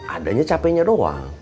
adanya capeknya doang